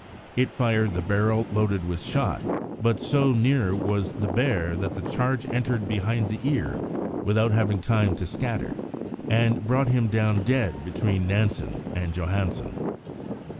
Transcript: It fired the barrel loaded with shot, but so near was the bear that the charge entered behind the ear without having time to scatter, and brought him down dead between Nansen and Johansen.